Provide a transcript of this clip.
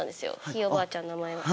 ひいおばあちゃんの名前が。